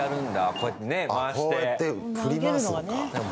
こうやって振り回すのか。